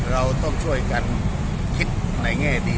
เราต้องช่วยกันคิดในแง่ดี